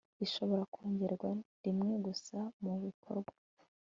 ishobora kongerwa rimwe gusa mubikorwa